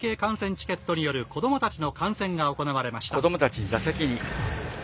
チケットによる子どもたちの観戦が行われました。